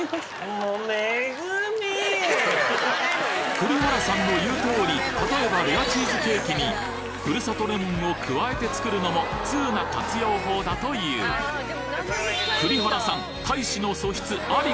栗原さんの言う通りたとえばレアチーズケーキに「ふるさとレモン」を加えて作るのも通な活用法だという栗原さん大使の素質あり！？